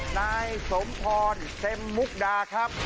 นายสมพรเต็มมุกดาครับ